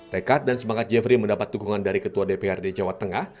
tekad dan semangat jeffrey mendapat dukungan dari ketua dprd jawa tengah